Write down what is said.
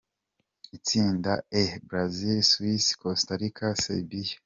Itsinda E: Brazil, Suisse, Costa Rica, Serbie.